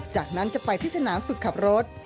จากนั้นจะไปที่สนามฝึกขับรถ